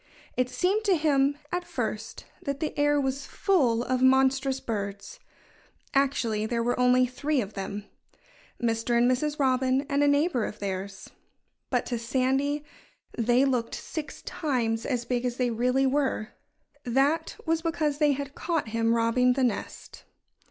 It seemed to him, at first, that the air was full of monstrous birds. Actually, there were only three of them Mr. and Mrs. Robin and a neighbor of theirs. But to Sandy they looked six times as big as they really were. That was because they had caught him robbing the nest.